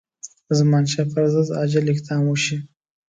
د زمانشاه پر ضد عاجل اقدام وشي.